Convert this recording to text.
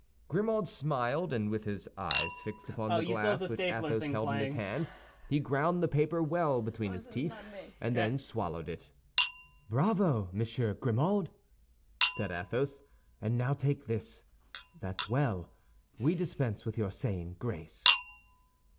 Grimaud smiled; and with his eyes fixed upon the glass which Athos held in his hand, he ground the paper well between his teeth and then swallowed it. "Bravo, Monsieur Grimaud!" said Athos; "and now take this. That's well. We dispense with your saying grace."